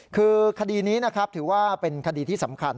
คือคดีนี้นะครับถือว่าเป็นคดีที่สำคัญ